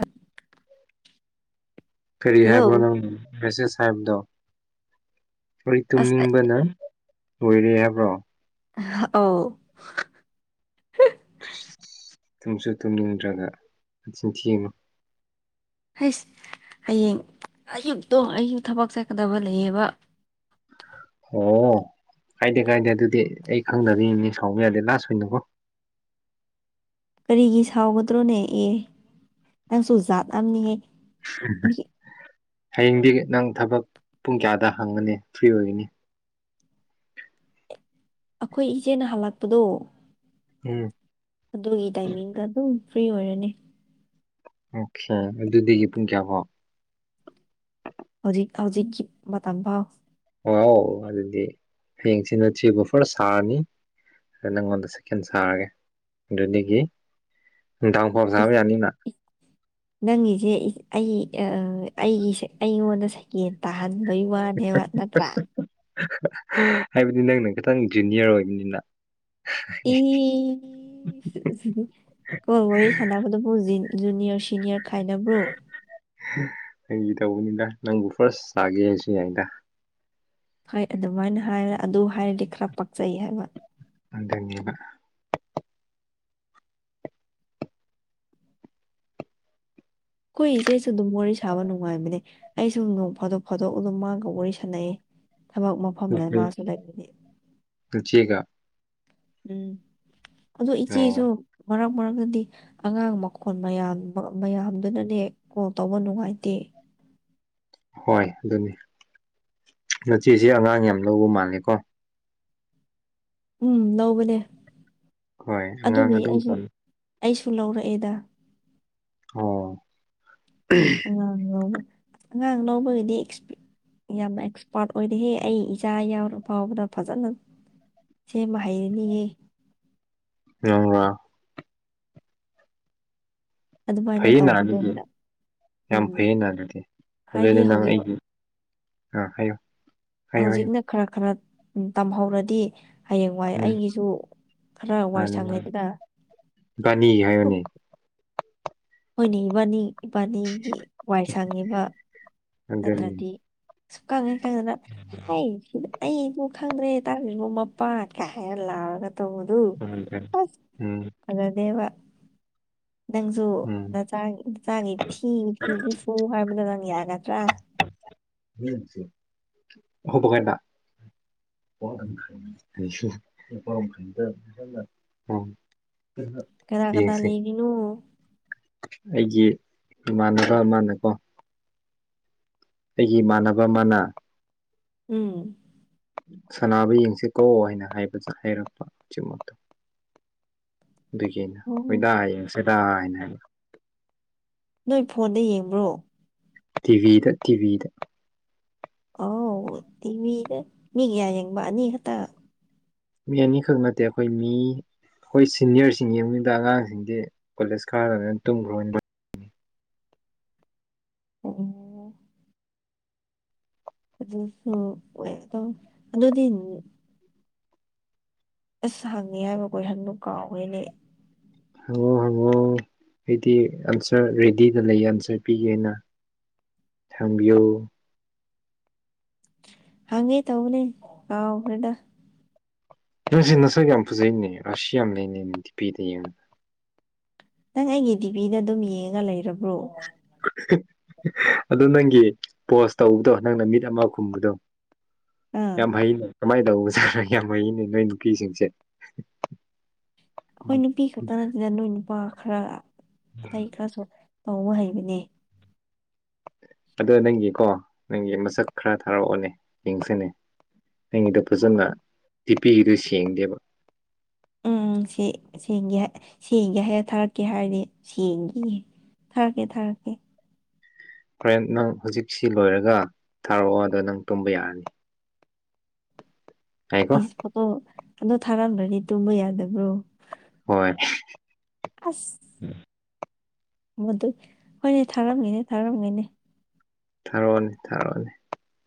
ꯑ ꯐꯦꯔꯤ ꯍꯥꯏꯕ ꯅ ꯍꯜꯂꯣ ꯃꯦꯁꯦ ꯁꯥꯍꯕꯗ ꯍ ꯑꯁ ꯑꯩ- ꯇꯨꯝꯅꯤꯡꯕꯅ ꯂꯣꯏꯔꯦ ꯍꯥꯏꯕ꯭ꯔꯣ ꯑꯣ ꯇꯨꯝꯁꯨ ꯇꯨꯝꯅꯤꯡꯗ꯭ꯔꯒꯤꯟ ꯊꯤꯉꯨ ꯍꯁ ꯍꯌꯦꯡ ꯑꯌꯨꯛꯇꯣ ꯑꯌꯨꯛ ꯊꯕꯛ ꯆꯠꯀꯗꯕ ꯂꯩꯌꯦꯕ ꯑꯣ ꯀꯥꯏꯗꯦ ꯀꯥꯏꯗꯦ ꯑꯗꯨꯗꯤ ꯑꯩ ꯈꯪꯗꯕꯤꯅꯤꯅꯦ ꯁꯥꯎꯕ ꯌꯥꯗꯦ ꯂꯥꯁ ꯑꯣꯏꯅꯀꯣ ꯀꯔꯤꯒꯤ ꯁꯥꯎꯒꯗ꯭ꯔꯣꯅꯦ ꯑꯦ ꯅꯪꯁꯨ ꯖꯥꯠ ꯑꯅꯤꯉꯦ ꯎꯝꯝ ꯍꯌꯦꯡꯗꯤ ꯅꯪ ꯊꯕꯛ ꯄꯨꯡ ꯀꯌꯥꯗ ꯍꯪꯒꯅꯤ ꯐ꯭ꯔꯤ ꯑꯣꯏꯒꯅꯤ [unintelligible] ꯑꯩꯈꯣꯏ ꯏꯆꯦꯅ ꯍꯜꯂꯛꯄꯗꯣ ꯎꯝ ꯑꯗꯨꯒꯤ ꯇꯥꯏꯃꯤꯡꯗ ꯑꯗꯨꯝ ꯐ꯭ꯔꯤ ꯑꯣꯏꯔꯅꯤ ꯑꯣꯀꯦ ꯑꯗꯨꯗꯒꯤ ꯄꯨꯡ ꯀꯌꯥ ꯐꯥꯎ ꯍꯧꯖꯤꯛ ꯍꯧꯖꯤꯛꯀꯤ ꯃꯇꯝ ꯐꯥꯎ ꯑꯥꯎ ꯑꯗꯨꯗꯤ ꯍꯌꯦꯡꯁꯤꯅ ꯊ꯭ꯔꯤꯒ ꯐꯔ ꯁꯥꯔꯅꯤ ꯑꯗꯨ ꯅꯪꯉꯣꯟꯗ ꯁꯀꯦꯟ ꯁꯥꯔꯒꯦ ꯑꯗꯨꯗꯒꯤ ꯇꯪ ꯐꯔ ꯁꯕ ꯏꯁ ꯌꯥꯅꯤꯅ ꯏꯁ ꯅꯪꯒꯤꯁꯦ ꯑꯩ ꯑꯩꯒꯤ ꯑꯩꯉꯣꯟꯗ ꯁꯩꯀꯦꯟ ꯇꯥꯍꯟ ꯩ ꯋꯥꯅꯦ ꯋꯥ ꯅꯠꯇ꯭ꯔ ꯍꯥꯏꯕꯗꯤ ꯅꯪꯅ ꯈꯤꯇꯪ ꯖꯨꯅꯤꯌꯔ ꯑꯣꯏꯕꯅꯤꯅ ꯏ ꯀꯣ ꯁꯥꯟꯗ ꯐꯗꯕꯨꯖꯤꯅꯤ ꯖꯨꯅꯤꯌꯔ ꯁꯤꯅꯤꯌꯔ ꯈꯥꯏꯅꯕꯕ꯭ꯔꯣ ꯑꯩꯪꯒꯤ ꯇꯧꯕꯅꯤꯗ ꯅꯪꯕꯨ ꯐꯥꯔꯁ ꯆꯥꯒꯦ ꯍꯥꯏꯁꯤꯉꯗ ꯐꯩ ꯑꯗꯨꯃꯥꯏꯅ ꯍꯥꯏꯔ ꯑꯗꯨ ꯍꯥꯏꯔꯗꯤ ꯈꯔ ꯄꯛꯆꯩ ꯍꯥꯏꯕ ꯑꯗꯅꯤꯕ ꯍꯈꯣꯏ ꯏꯆꯦꯁꯨ ꯑꯗꯨꯝ ꯋꯥꯔꯤ ꯁꯥꯕ ꯅꯨꯡꯉꯥꯏꯕꯅꯦ ꯑꯩꯁꯨ ꯅꯣꯡ ꯐꯥꯗꯣꯛ ꯐꯥꯗꯣꯛ ꯑꯗꯨꯝ ꯃꯥꯡꯒ ꯋꯥꯔꯤ ꯁꯥꯟꯅꯩ ꯊꯕꯛ ꯃꯐꯝꯅꯦ ꯅꯨꯄꯤ ꯃꯥꯁꯨ ꯂꯩꯕꯅꯤ ꯅꯆꯦꯒ ꯎꯝ ꯑꯗꯨ ꯏꯆꯦꯁꯨ ꯑꯣ ꯃꯔꯔ ꯑꯣꯏꯔꯒꯗꯤ ꯑꯉꯥꯡ ꯃꯈꯣꯜ ꯃꯌꯥꯝ ꯃꯌꯥꯝꯗꯨꯅꯅꯦ ꯀꯣꯜ ꯇꯧꯕ ꯅꯨꯡꯉꯥꯏꯇꯦ ꯍꯣꯏ ꯑꯗꯨꯅꯤ ꯅꯆꯦꯁꯤꯦ ꯑꯉꯥꯡ ꯌꯥꯝ ꯂꯧꯕ ꯃꯥꯜꯂꯦꯀꯣ ꯎꯝ ꯂꯧꯕꯅꯦ ꯍꯣꯏ ꯑꯉꯥꯡ ꯑꯗꯨꯕꯨꯗꯤ ꯑꯗꯨꯝ ꯑꯩꯁꯨ ꯐ ꯑꯩꯁꯨ ꯂꯧꯔꯛꯑꯦꯗ ꯑꯣ ꯑꯉꯥꯡ ꯂꯥꯎꯕ ꯑꯉꯥꯡ ꯂꯥꯎꯕꯒꯤꯗꯤ ꯑꯦꯛꯁꯄꯤ ꯌꯥꯝꯅ ꯑꯦꯛꯁꯄꯥꯔꯠ ꯑꯣꯏꯔꯍꯦ ꯑꯩ ꯏꯆꯥ ꯌꯥꯎꯔ ꯐꯥꯎꯕꯗ ꯐꯖꯅ ꯁꯤ ꯃꯥꯍꯤꯅꯤꯌꯦ ꯑ ꯋꯥ ꯑꯗꯨꯃꯥꯏꯅ ꯐꯩꯌꯦ ꯅꯥ ꯇꯧꯕꯗꯣ ꯑꯗꯨꯗꯤ ꯍꯦꯛꯇ ꯌꯥꯝ ꯎꯝ ꯐꯩꯌꯦ ꯅꯥ ꯑꯗꯨꯗꯤ ꯍꯥꯏꯗꯤ ꯑꯗꯨꯏꯗꯤ ꯅꯪ ꯍꯧꯖꯤꯛ ꯑꯩꯒꯤ ꯑ ꯍꯥꯏꯌꯣ ꯍꯧꯖꯤꯛꯅ ꯈꯔ ꯈꯔ ꯇꯝꯍꯧꯔꯗꯤ ꯍꯌꯦꯡꯋꯥꯏ ꯎꯝ ꯑꯩꯒꯤꯁꯨ ꯈꯔ ꯋꯥꯏ ꯁꯪꯉꯦꯗꯅ ꯕꯥꯅꯤ ꯍꯥꯏꯌꯅꯦ ꯑꯩꯈꯣꯏꯅ ꯏꯕꯥꯅꯤ ꯏꯕꯥꯅꯤꯒꯤ ꯋꯥꯏ ꯁꯪꯉꯤꯕ ꯑꯗꯨꯅꯤ ꯅꯠꯇ꯭ꯔꯗꯤ ꯀꯥꯉ ꯀꯉꯅ ꯍꯥꯏ ꯁꯤ ꯑꯩꯕꯨ ꯈꯪꯗ꯭ꯔꯦꯇꯥꯥꯔꯁꯤꯕ ꯃꯄꯥ ꯀꯩ ꯍꯥꯏꯔ ꯂꯥꯎꯑꯔꯒ ꯇ ꯎꯝ ꯑꯗꯦꯕ ꯅꯪꯁꯨ ꯎꯝ ꯅꯆꯥ ꯅꯆꯥꯒꯤ ꯐꯤ ꯐꯤꯗꯨ ꯁꯨ ꯍꯥꯏꯕꯗ ꯌꯥꯒꯇ꯭ꯔꯥ ꯍꯕ ꯀꯥꯏꯗ ꯈꯁꯨꯗ ꯎ ꯀꯅꯥ ꯀꯅꯥ ꯂꯩꯔꯤꯅꯣ [inaudible] ꯑꯩꯒꯤ ꯏꯃꯥꯟꯅꯕ ꯑꯃꯅꯀꯣ ꯑꯩꯒꯤ ꯏꯃꯥꯟꯅꯕ ꯑꯃꯅ ꯎꯝ ꯁꯅꯥꯕꯨ ꯌꯦꯡꯁꯤ ꯀꯧꯑꯣ ꯍꯥꯏꯅ ꯍꯥꯏꯕ ꯍꯥꯏꯔꯛꯄ ꯎꯆꯃꯛꯇꯣ ꯑꯗꯨꯒꯤꯩꯅ ꯑꯣ ꯍꯣꯏꯗꯥ ꯍꯌꯦꯡ ꯁꯦꯗꯥ ꯍꯥꯏꯅ ꯍꯥꯏꯕ ꯅꯣꯏ ꯐꯣꯟꯗ ꯌꯦꯡꯕ꯭ꯔꯣ ꯇꯗꯤꯕꯤꯤꯗ ꯇꯗꯤꯕꯤꯤꯗ ꯑꯥꯎ ꯇꯤꯚꯤ ꯃꯤꯒꯌꯥ ꯌꯦ ꯃꯥꯅꯤ ꯇ ꯃꯤ ꯑꯅꯤꯈꯛ ꯅꯠꯇꯦ ꯑꯩꯈꯣꯏ ꯃꯤ ꯑꯩꯈꯣꯏ ꯁꯤꯅꯤꯌꯔꯁꯤꯡ ꯌꯦꯡꯕꯗ ꯑꯉꯥꯡꯁꯤꯡꯗꯤ ꯀꯣꯂꯦꯖ ꯀꯥꯔꯗꯅꯤꯅ ꯇꯨꯝꯈ꯭ꯔꯣ ꯑꯣꯝ ꯑ ꯑꯗꯨꯣꯗꯤ ꯑꯁ ꯍꯪꯉꯤ ꯍꯥꯏꯕꯈꯣꯏ ꯍꯟꯗꯨ ꯀꯥꯎꯋꯦꯅꯦ ꯑꯣ ꯍꯉꯣ ꯑꯩꯗꯤ ꯑꯟꯁꯔ ꯔꯦꯗꯤꯗ ꯂꯩꯌꯦ ꯑꯟꯁꯔ ꯄꯤꯒꯦꯅ ꯊꯝꯕꯤꯌꯨ ꯍꯪꯉꯦ ꯇꯧꯕꯅꯦ ꯑꯕꯗ ꯅꯪꯁꯤ ꯅꯁꯛ ꯌꯥꯝ ꯐꯖꯩꯅꯦ ꯑꯁꯤ ꯌꯥꯝ ꯂꯩꯅꯩꯅꯦ ꯗꯤꯄꯤꯗ ꯌꯦꯡ ꯅꯪ ꯑꯩꯒꯤ ꯤꯚꯤꯗ ꯑꯗꯨꯝ ꯌꯦꯡꯉ ꯂꯩꯔꯕ꯭ꯔꯣ ꯑꯗꯨ ꯅꯪꯒꯤ ꯄꯣꯁ ꯇꯧꯕꯗꯣ ꯅꯪꯅ ꯃꯤꯠ ꯑꯃ ꯈꯨꯝꯕꯗꯣ ꯑꯥ ꯌꯥꯝꯥꯏ ꯀꯃꯥꯏꯗꯧ ꯌꯥꯝ ꯃꯩꯅꯦ ꯅꯣꯏ ꯅꯨꯄꯤꯁꯤꯡꯁꯦ ꯑꯩꯈꯣꯏ ꯅꯨꯄꯤ ꯈꯛꯇ ꯅꯠꯇꯗ ꯅꯣꯏ ꯅꯨꯄꯥ ꯈꯔ ꯑꯇꯩ ꯈꯔꯁꯨ ꯇꯕ ꯍꯩꯕꯅꯦ ꯑꯗ ꯅꯪꯒꯤꯀꯣ ꯅꯪꯒꯤ ꯃꯁꯛ ꯈꯔ ꯊꯥꯔꯛꯑꯣꯅꯦ ꯌꯦꯡꯁꯅꯦ ꯑꯩꯒꯤꯗ ꯐꯖꯅ ꯇꯤꯄꯤꯒꯤꯗꯨ ꯁꯦꯡꯗꯦꯕ ꯎꯝ ꯁꯤꯒꯤ ꯁꯤꯒ ꯍꯦꯛ ꯊꯥꯔꯛꯀꯦ ꯍꯥꯏꯗꯤ ꯁꯤꯒꯤ ꯊꯔꯀꯦ ꯊꯔꯀꯦ ꯍꯣꯔꯦꯟ ꯅꯪ ꯍꯧꯖꯤꯛꯁꯤ ꯂꯣꯏꯔꯒ ꯊꯥꯔꯛꯑꯣꯗ ꯅꯪ ꯇꯨꯝꯕ ꯌꯥꯔꯅꯤ ꯌꯥꯏꯀꯣ ꯏꯁ ꯄꯣꯠꯇꯣ ꯑꯗꯣ ꯊꯥꯔꯂ꯭ꯔꯗꯤ ꯇꯨꯝꯕ ꯌꯥꯗꯕ꯭ꯔꯣ ꯍꯣꯏ ꯃꯏ ꯍꯣꯏꯅꯦ ꯊꯥꯔꯝꯒꯅꯦ ꯊꯥꯔꯝꯒꯅꯦ ꯊꯥꯔꯛꯑꯣꯅꯤ ꯊꯥꯔꯛꯑꯣꯅꯦ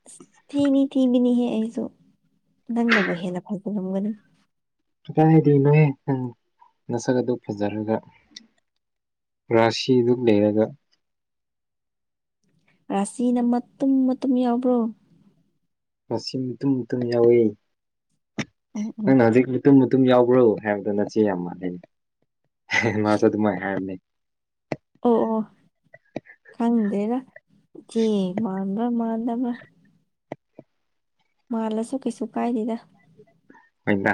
ꯑꯁ ꯊꯤꯅꯤ ꯊꯤꯕꯤꯅꯤꯍꯦ ꯑꯩꯁꯨ ꯅꯪꯅꯕꯨ ꯍꯦꯟꯅ ꯐꯖꯂꯝꯝꯒꯅꯤ ꯀꯗꯥ ꯍꯥꯏꯗꯤ ꯅꯣꯏꯍꯦꯪ ꯃꯁꯛ ꯑꯗꯨ ꯐꯖꯔꯒ ꯔꯥꯁꯤꯗꯨ ꯂꯩꯔꯒ ꯔꯁꯤꯅ ꯃꯇꯨꯝ ꯃꯇꯨꯝ ꯌꯥꯎꯕ꯭ꯔꯣ ꯨꯔ꯭ꯁꯤ ꯃꯇꯨꯝ ꯃꯇꯨꯝ ꯌꯥꯎꯌꯦ ꯎꯝ ꯎꯝ ꯑꯗꯨꯝ ꯌꯥꯎꯕ꯭ꯔꯣ ꯍꯥꯏꯕꯗꯣ ꯅꯆꯦ ꯌꯥꯝ ꯃꯥꯥꯟꯂꯩ ꯃꯥꯁꯨ ꯑꯗꯨꯃꯥꯏꯅ ꯍꯥꯏꯔꯝꯃꯦ ꯑꯣ ꯑꯣ ꯈꯪꯗ꯭ꯔꯦꯗ ꯗꯕ꯭ꯔ ꯃꯥꯜꯂꯁꯨ ꯀꯩꯁꯨ ꯀꯥꯏꯗꯦꯗ ꯑꯣꯏꯣꯏꯗ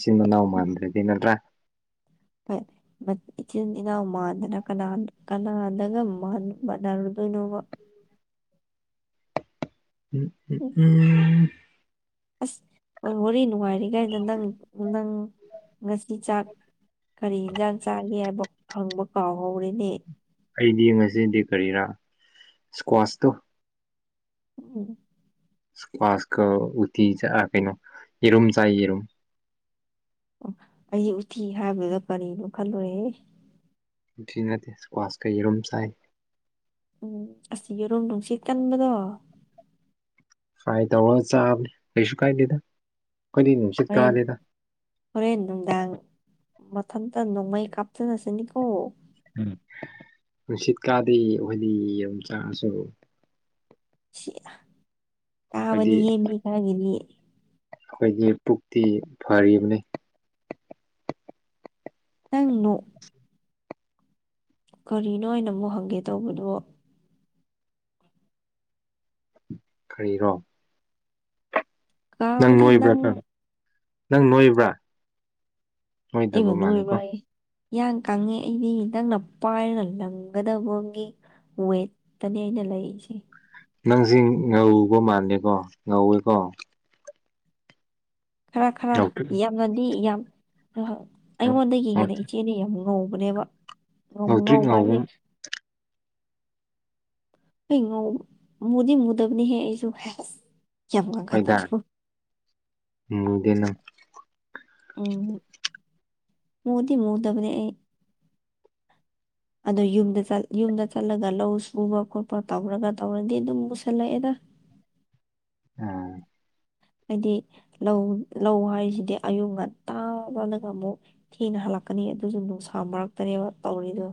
ꯆꯤꯟꯃ ꯅꯎ ꯎꯝ ꯃꯥꯥꯟ꯭ꯔꯦꯗꯅꯂ꯭ꯔꯥ ꯍꯣꯏ ꯃ ꯏꯆꯤꯟꯗꯤꯅ ꯃꯥꯥꯟꯗꯅ ꯀꯅꯥ ꯀꯅꯥꯗꯒ ꯃꯥꯅꯔꯗꯨꯅꯣꯕ ꯎꯝ ꯎꯝ ꯎꯝ ꯑꯁ ꯍꯣꯏ ꯍꯣꯔ ꯅꯨꯡꯉꯥꯏꯔꯤꯈꯩꯗ ꯅꯪ ꯅꯪ ꯉꯁꯤ ꯆꯥꯛ ꯀꯔꯤ ꯌꯦꯟꯁꯥꯡ ꯆꯥꯒꯦ ꯍꯥꯏꯕ ꯍꯪꯕ ꯀꯥꯎꯍꯧꯔꯦꯅꯦ ꯑꯩꯗꯤ ꯉꯁꯤꯗꯤ ꯀꯔꯤꯔꯥ ꯏꯁꯀ꯭ꯋꯥꯁꯇꯣ ꯎꯝ ꯏꯁꯀꯋꯥꯁꯀ ꯎꯇ ꯆ ꯀꯩꯅꯣ ꯍꯔ ꯆ ꯍꯨꯝ ꯑꯣ ꯑꯩꯁ ꯎꯇꯤ ꯍꯥꯏꯕꯗ ꯀꯔꯤꯅꯣ ꯈꯜꯂꯨꯔꯦꯍꯦ ꯊꯤ ꯅꯠꯇꯦ ꯋꯥꯁ ꯀꯩꯔꯨꯝ ꯆꯥꯏ ꯎꯝ ꯑꯁꯤꯁ ꯌꯦꯔꯨꯝ ꯅꯨꯡꯁꯤꯠ ꯀꯟꯕꯗꯣ ꯐꯥꯏ ꯇꯧ ꯆꯕ ꯀꯩꯁꯨ ꯀꯥꯏ ꯂꯤꯗ ꯍꯣꯔꯦꯟ ꯍꯣꯔꯦꯟ ꯅꯨꯡꯗꯥꯡ ꯃꯊꯟꯇ ꯅꯣꯡꯃꯩ ꯀꯥꯞꯆꯔꯁꯤꯅꯤꯀꯣ ꯅꯨꯡꯁꯤꯠꯀꯥꯗꯤ ꯍꯣꯏꯗꯤ ꯑꯗꯨ ꯆꯥꯉꯁꯨ ꯁꯤ ꯑꯩꯈꯣꯏꯗꯤ ꯀꯥꯕꯅꯤ ꯌꯦꯡꯅꯤ ꯍꯥꯏꯒꯤꯦꯅꯤ ꯑꯩꯈꯣꯏꯒꯤ ꯄꯨꯛꯇꯤ ꯐꯔꯤꯕꯅꯤ ꯅꯪꯅꯣ ꯀꯔꯤꯅꯣ ꯑꯅ ꯑꯃꯨꯛ ꯍꯪꯒꯦ ꯇꯧꯕꯗꯣ ꯀꯔꯤꯅꯣ ꯀꯧꯔꯦꯗꯥ ꯅꯪ ꯅꯪ ꯅꯣꯏꯕ꯭ꯔꯥ ꯅꯣꯏꯗꯕ ꯃꯥꯜꯂꯀꯣ ꯏꯟ ꯀꯪꯉꯤ ꯑꯩꯗꯤ ꯅꯪꯅ ꯄꯥꯏꯔꯒ ꯂꯪꯒꯗꯕꯒꯤ ꯍꯣꯏ ꯇꯅꯤ ꯑꯩꯅ ꯂꯩꯥꯏꯁꯤ ꯅꯪꯁꯤ ꯉꯧꯕ ꯃꯥꯂꯦꯀꯣ ꯉꯧꯋꯦꯀꯣ ꯈꯔ ꯈꯔ ꯉꯧꯇ꯭ꯔꯤꯛ ꯌꯥꯝꯅꯗꯤ ꯌꯥꯝ ꯑꯩꯉꯣꯟꯗꯒꯤ ꯍꯦꯟꯅ ꯏꯆꯦꯅ ꯌꯥꯝ ꯉꯧꯕꯅꯦꯕ ꯉꯧꯇ꯭ꯔꯤꯛ ꯉꯧꯕ ꯉꯧꯒꯨꯝ ꯍꯥꯏꯁꯦ ꯉ ꯃꯗꯤ ꯃꯗꯕꯅꯤ ꯍꯦꯁꯨ ꯌꯥꯝ ꯍꯣꯏꯗ ꯋꯥꯈꯣ ꯃꯨꯗꯦ ꯅꯪ ꯎꯝ ꯃꯗꯤ ꯃꯨꯗꯕꯅꯦ ꯑꯩ [unintelligible] [inaudible] ꯑꯗꯣ ꯌꯨꯝꯗ ꯌꯨꯝꯗ ꯆꯠꯂꯒ ꯂꯧ ꯁꯨꯕ ꯈꯣꯠꯄ ꯇꯧꯔꯒ ꯇꯧꯔꯗꯤ ꯑꯗꯨꯝ ꯃꯨꯁꯜꯂꯛꯑꯦꯗ [unintelligible] [inaudible] ꯑꯥ ꯍꯥꯏꯗꯤ ꯂꯧ ꯂꯧ ꯍꯥꯏꯔꯤꯁꯤꯗꯤ ꯑꯌꯨꯛ ꯉꯟꯇꯥ ꯂꯒ ꯑꯃꯨꯛ ꯊꯤꯅ ꯍꯜꯂꯛꯀꯅꯤ ꯑꯗꯨꯁꯨ ꯅꯨꯡꯁꯥ ꯃꯔꯛꯇꯅꯦꯕ ꯇꯧꯔꯤꯗꯣ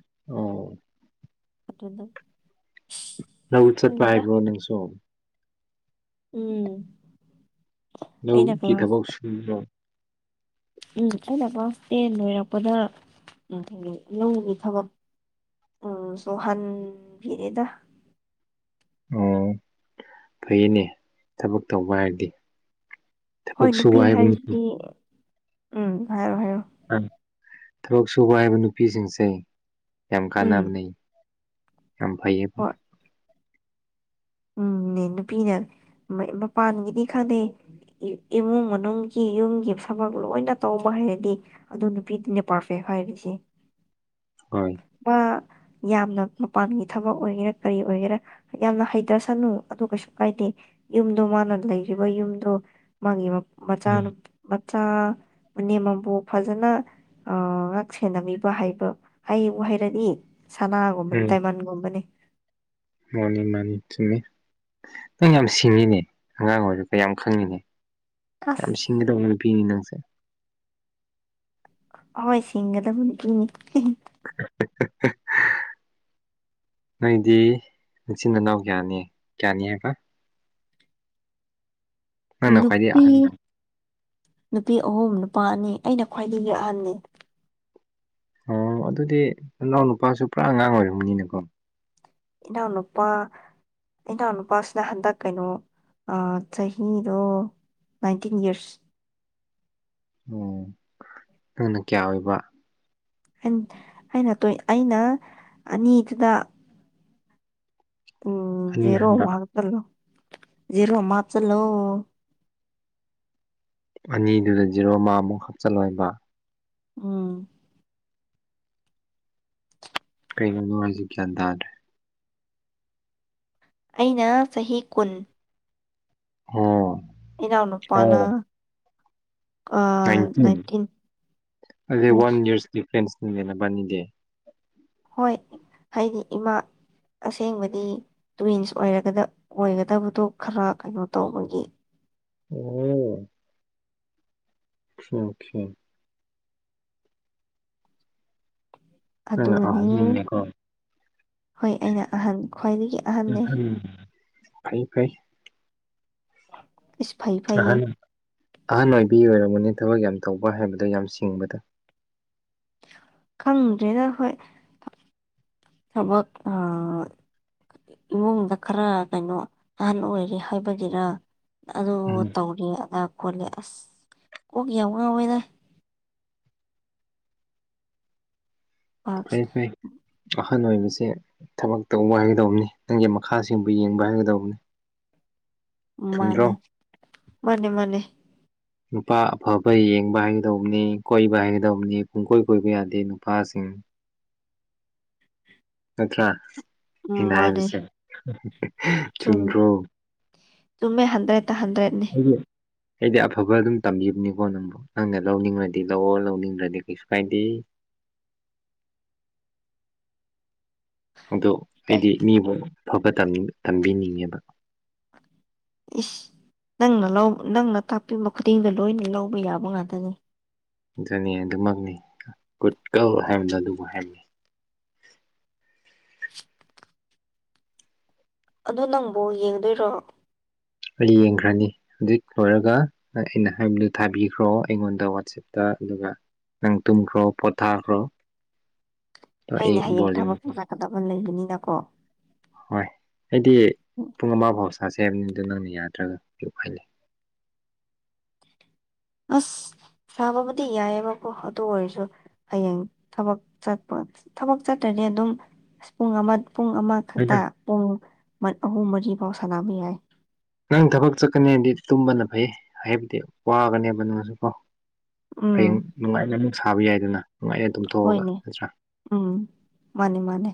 ꯑꯣ [unintelligible] [inaudible] ꯃꯠꯇꯗ [inaudible] ꯅ ꯎꯠ ꯆꯠꯄ ꯍꯥꯏꯕ꯭ꯔꯣ ꯅꯁꯨꯣ ꯎꯝ [inaudible] ꯍꯂꯣ ꯑꯩꯅ ꯀ ꯀ꯭ꯂꯥꯁ ꯊꯕꯛ ꯁꯨꯝꯣ ꯎꯝ ꯑꯩꯅ ꯀ꯭ꯂꯥꯁ ꯇꯦꯟ ꯂꯣꯏꯔꯛꯄꯗ ꯎ ꯂꯧꯒꯤ ꯊꯕꯛ ꯎꯝ ꯁꯣꯍꯟꯕꯤꯔꯦꯗ ꯑꯣ ꯐꯩꯅꯦ ꯊꯕꯛ ꯇꯧꯕ ꯍꯥꯏꯔꯗꯤ ꯍꯣꯏ ꯊꯕꯛ ꯁꯨꯕ ꯅꯨꯄꯤ ꯍꯥꯏꯕ ꯅꯨꯄꯤ ꯍꯥꯏꯔꯤꯁꯤꯗꯤ ꯎꯝ ꯍꯥꯏꯔꯣ ꯍꯥꯏꯔꯣ ꯊꯕꯛ ꯁꯨꯕ ꯍꯥꯏꯕ ꯅꯨꯄꯤꯁꯤꯡꯁꯦ ꯌꯥꯝ ꯎꯝ ꯀꯥꯟꯅꯕꯅꯤ ꯌꯥꯝ ꯐꯩꯌꯦꯕ ꯍꯣꯏ ꯎꯝꯅꯦ ꯅꯨꯄꯤꯅ ꯃꯄꯥꯟꯒꯤꯗꯤ ꯈꯪꯗꯦ ꯏꯃꯨꯡ ꯃꯅꯨꯡꯒꯤ ꯌꯨꯝꯒꯤ ꯊꯕꯛ ꯂꯣꯏꯅ ꯇꯧꯕ ꯍꯥꯏꯔꯗꯤ ꯑꯗꯨ ꯅꯨꯄꯤꯗꯨꯅꯦ ꯄꯥꯔꯐꯦ ꯍꯥꯏꯔꯁꯤꯈꯤ [unintelligible] [inaudible] ꯍꯣꯏ [unintelligible] [inaudible] ꯌꯥꯝꯅ ꯃꯄꯥꯟꯒꯤ ꯊꯕꯛ ꯑꯣꯏꯒꯦꯔꯥ ꯀꯔꯤ ꯑꯣꯏꯒꯦꯔꯥ ꯌꯥꯝꯅ ꯍꯩꯇꯁꯅꯨ ꯑꯗꯨ ꯀꯩꯁꯨ ꯀꯥꯏꯗꯦ ꯌꯨꯝꯗꯣ ꯃꯥꯅ ꯂꯩꯔꯤꯕ ꯌꯨꯝꯗꯣ ꯃꯥꯒꯤ ꯎꯝ ꯃꯆꯥꯅꯨ ꯆꯥ ꯃꯅꯦꯝ ꯃꯕꯣꯛ ꯐꯖꯅ ꯉꯥꯛ ꯁꯦꯟꯅꯕꯤꯕ ꯍꯥꯏꯕ ꯍꯩ ꯎ ꯍꯩꯔꯗꯤ ꯁꯅꯥꯒꯨꯝꯕꯅꯤ ꯗꯥꯏꯃꯟꯒꯨꯝꯕꯅꯤ ꯃꯅꯤ ꯃꯥꯅꯤ ꯊꯤꯟꯃꯤ ꯅꯪ ꯌꯥꯝ ꯁꯤꯡꯉꯤꯅꯦ ꯑꯉꯥꯡ ꯑꯣꯏꯔꯒ ꯌꯥꯝ ꯈꯪꯉꯤꯅꯦ ꯑꯁ ꯌꯥꯝ ꯁꯤꯡꯒꯗꯧꯅꯅ ꯄꯤꯅꯤ ꯅꯪꯁꯦ ꯍꯣꯏ ꯁꯤꯡꯒꯗꯕꯅꯤꯅꯤ [unintelligible] [inaudible] ꯅꯪꯗꯤ ꯃꯆꯤꯟ ꯏꯅꯥꯎ ꯀꯌꯥꯅꯤ ꯀꯌꯥꯅꯤ ꯍꯥꯏꯕ ꯅ ꯅ ꯈꯥꯏꯗ ꯅꯨꯄꯤ ꯑꯍ ꯅꯨꯄꯤ ꯑꯍꯨꯝ ꯅꯨꯄꯥ ꯑꯅꯤ ꯑꯩꯅ ꯈ꯭ꯋꯥꯏꯗꯒꯤ ꯑꯍꯟꯅꯤ ꯑꯣ ꯑꯗꯨꯗꯤ ꯅꯅꯥꯎ ꯅꯨꯨꯄꯥꯁꯨ ꯄꯨꯔꯥ ꯑꯉꯥꯡ ꯑꯣꯏꯔꯝꯅꯤꯅꯀꯣ ꯏꯟꯅ ꯎꯅꯄꯥꯥ ꯑꯩꯅꯍꯅ ꯄꯁ ꯅ ꯍꯥꯟꯟꯗ ꯀꯩꯅꯣ ꯑ ꯆꯍꯤ ꯔꯣ ꯅꯥꯏꯟꯇꯤꯟ ꯏꯌꯥꯔꯁ ꯑꯣ ꯅꯪꯅ ꯀꯌꯥ ꯑꯣꯏꯕ ꯑꯩꯅ ꯑꯩꯅ ꯑꯅꯤꯗꯨꯗ ꯎꯝ ꯑꯅꯤ ꯖꯦꯔꯣ ꯑꯍꯟꯕ ꯃꯥꯇꯂꯣ ꯦꯔꯣ ꯃꯆꯂꯣ ꯑꯅꯤꯗꯨꯗ ꯖꯤꯔꯣ ꯑꯃꯃꯨꯛ ꯍꯥꯞꯆꯤꯜꯂꯣꯏꯕ ꯑꯥ [unintelligible] [inaudible] ꯀꯩꯩꯅꯅꯣ ꯍꯧꯖꯤꯛ ꯭ꯌꯥꯟ ꯇꯥꯔꯦ ꯑꯩꯅ ꯆꯍꯤ ꯀꯨꯟ ꯑꯣ ꯏꯟꯅꯥꯎ ꯅꯨꯄꯅꯥ ꯇꯣꯏꯅꯇꯤ ꯑꯗꯦ ꯎꯝ ꯋꯥꯟ ꯏꯔꯁ ꯗꯤꯐꯦꯟꯁꯗ ꯍꯣꯏ ꯍꯥꯏꯗꯤ ꯏꯃꯥ ꯑꯁꯦꯡꯕꯗꯤ ꯇ꯭ꯋꯤꯟꯁ ꯑꯣꯏꯔꯒꯗ ꯑꯣꯏꯒꯗꯕꯗꯣ ꯈꯔ ꯀꯩꯅꯣ ꯇꯧꯕꯒꯤ ꯑꯣ [unintelligible] ꯅꯪꯅ ꯑꯗꯨꯅꯤ ꯑꯍꯟꯅꯤꯅꯀꯣ ꯍꯣꯏ ꯑꯩꯅ ꯑꯍꯟ ꯈ꯭ꯋꯥꯏꯗꯒꯤ ꯑꯍꯟꯅꯦ ꯐꯩ ꯐꯩ ꯏꯁꯁ ꯐꯩ ꯐꯩꯌꯦ ꯑꯍꯥꯟ ꯑꯣꯏꯕꯤ ꯑꯣꯏꯔꯝꯒꯅꯤ ꯊꯕꯛ ꯌꯥꯝ ꯇꯧꯕ ꯍꯥꯏꯕꯗꯣ ꯌꯥꯝ ꯁꯤꯡꯕꯗ ꯈꯪꯗ꯭ꯔꯦꯅ ꯍꯣꯏ ꯊꯕꯛ ꯏꯃꯨꯡꯗ ꯈꯔ ꯀꯩꯅꯣ ꯅꯍꯟ ꯑꯣꯏꯔꯦ ꯍꯥꯏꯕꯒꯤꯔ ꯑꯗꯨ ꯎꯝ ꯇꯧꯔꯤ ꯑꯗ ꯈꯣꯠꯂꯦ ꯑꯁ ꯀꯣꯛ ꯌꯥꯝ ꯉꯥꯎꯏꯗ ꯑꯁ ꯑꯥꯍꯟ ꯑꯣꯏꯕꯁꯦ ꯊꯕꯛ ꯇꯧꯕ ꯍꯥꯏꯒꯗꯧꯕꯅꯤ ꯅꯪꯒꯤ ꯃꯈꯥꯁꯤꯡꯕꯨ ꯌꯦꯡꯕ ꯍꯥꯏꯒꯗꯧꯕꯅꯤ ꯆꯨꯝꯗ꯭ꯔꯣ ꯃꯥꯅꯦ ꯃꯥꯅꯦ ꯃꯥꯅꯦ ꯅꯨꯄꯥ ꯑꯐꯕ ꯌꯦꯡꯕ ꯍꯥꯏꯒꯗꯧꯕꯅꯤ ꯀꯣꯏꯕ ꯍꯥꯏꯒꯗꯧꯕꯅꯤ ꯄꯨꯡꯀꯣꯏ ꯀꯣꯏꯕ ꯌꯥꯗꯦ ꯅꯨꯄꯥꯁꯤꯡ ꯅꯥꯠꯇꯔ꯭ ꯎꯝ ꯑꯩꯅꯥ ꯃꯥꯅꯦ ꯍꯥꯌꯕꯁꯦ ꯆꯨꯝ ꯆꯨꯝꯗꯔꯣ ꯆꯨꯝꯃꯦ ꯍꯟꯗ꯭ꯔꯦꯠꯇ ꯍꯟꯗ꯭ꯔꯦꯠꯅꯦ ꯑꯩꯗꯤ ꯑꯐꯕ ꯑꯗꯨꯝ ꯇꯝꯕꯤꯕꯅꯤꯀꯣ ꯅꯪꯕꯨ ꯅꯪꯅ ꯂꯧꯅꯤꯡꯉꯗꯤ ꯂꯧꯑꯣ ꯂꯧꯅꯤꯡꯗ꯭ꯔꯗꯤ ꯀꯩꯁꯨ ꯀꯥꯏꯗꯦ [inaudible] ꯑꯗꯣ ꯑꯩꯗꯤ ꯃꯤꯕꯨ ꯐꯕ ꯇꯝꯕꯤꯅꯤꯡꯉꯦꯕ ꯏꯁ ꯅꯪꯅ ꯅꯪꯅ ꯇꯥꯛꯄꯤꯕ ꯈꯨꯗꯤꯡꯗ ꯂꯣꯏꯅ ꯂꯧꯕ ꯌꯥꯕ ꯉꯥꯛꯇꯅꯤ ꯑꯗꯨꯅꯤ ꯑꯗꯨꯃꯛꯅꯤ ꯒꯨꯠ ꯒꯜ ꯍꯥꯏꯕꯗ ꯑꯗꯨꯕꯨ ꯍꯥꯏꯃꯤ ꯑꯗꯣ ꯅꯪ ꯕꯣꯜꯌꯦꯡꯗꯣꯏꯔꯣ ꯌꯦꯡꯈ꯭ꯔꯅꯤ ꯍꯧꯖꯤꯛ ꯂꯣꯏꯔꯒ ꯑꯩꯅ ꯍꯥꯏꯕꯗꯨ ꯊꯥꯕꯤꯈ꯭ꯔꯣ ꯑꯩꯉꯣꯟꯗ ꯋꯥꯆꯦꯞꯇ ꯑꯗꯨꯒ ꯅꯪꯇꯨꯝꯈ꯭ꯔꯣ ꯄꯣꯊꯥꯈ꯭ꯔꯣ ꯑꯗꯣ ꯑꯩ ꯑꯩꯅꯥ ꯍꯌꯦꯡ ꯕꯣꯜ ꯊꯕꯛ ꯌꯦꯡꯒꯦ ꯂꯥꯛꯀꯗꯕ ꯂꯩꯕꯅꯤꯅꯀꯣ ꯍꯣꯏ ꯑꯩꯗꯤ ꯎꯝ, ꯄꯨꯡ ꯑꯃ ꯐꯥꯎ ꯆꯥꯖꯩ ꯍꯥꯏꯕꯅꯤ ꯑꯗꯨꯗ ꯅꯪꯅ ꯌꯥꯗ꯭ꯔꯒ ꯀꯌꯨꯛ ꯍꯥꯏꯂ ꯑꯁ ꯁꯥꯕꯕꯨꯗꯤ ꯌꯥꯏꯑꯕꯀꯣ ꯑꯗꯨ ꯑꯣꯏꯔꯁꯨ ꯍꯌꯦꯡ ꯊꯕꯛ ꯆꯠꯄ ꯊꯕꯛ ꯆꯠꯇ ꯑꯗꯨꯝ ꯄꯨꯡ ꯑꯃ ꯄꯨꯡ ꯑꯃꯈꯛꯇ ꯄꯨꯡ ꯑꯍꯨꯝ ꯃꯔꯤꯐꯥꯎ ꯁꯥꯟꯅꯕ ꯌꯥꯏ ꯅꯪ ꯊꯕꯛ ꯆꯠꯀꯅꯤꯅꯗꯤ ꯇꯨꯝꯕꯅ ꯐꯩ ꯍꯥꯏꯕꯗꯤ ꯋꯥꯒꯅꯦꯕ ꯅꯪꯁꯨ ꯀꯣ ꯍꯌꯦꯡ ꯎꯝ ꯅꯨꯡꯉꯥꯏꯅ ꯑꯃꯨꯛ ꯁꯥꯕ ꯌꯥꯏꯗꯅ ꯉꯉꯥꯏꯑꯦ ꯑꯗꯨꯝꯊꯣꯛꯑꯒ ꯍꯣꯏꯅꯦ ꯅꯠꯇ꯭ꯔꯥ ꯎꯝ ꯃꯥꯅꯦ ꯃꯥꯅꯦ